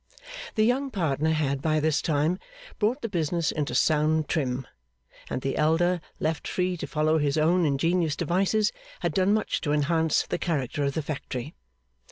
The younger partner had, by this time, brought the business into sound trim; and the elder, left free to follow his own ingenious devices, had done much to enhance the character of the factory.